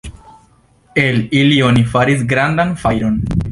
El ili oni faris grandan fajron.